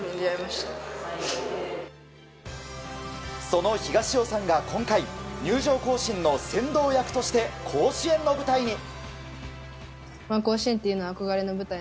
その東尾さんが今回入場行進の先導役として甲子園の舞台に。